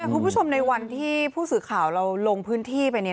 คุณผู้ชมในวันที่ผู้สื่อข่าวเราลงพื้นที่ไปเนี่ย